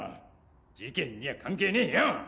事件にゃ関係ねえよ！